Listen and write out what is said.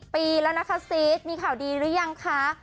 ปีแล้วนะคะซีสมีข่าวดีหรือยังคะ